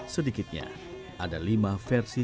sedikitnya ada lima versi